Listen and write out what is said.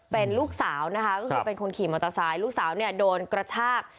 เป็นลูกสาวนะคะก็คือเป็นคนขี่มอเตอร์ไซค์ลูกสาวเนี่ยโดนกระชาก